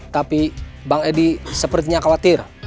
tapi bang edi sepertinya khawatir